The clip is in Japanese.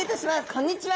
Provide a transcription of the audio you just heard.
こんにちは！